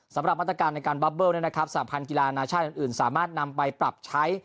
สำหรับมาตรการณ์บับเบิ้ลเนี่ยนะครับสถานกีฬาอนาชาติอื่นสามารถนำไปปรับใช้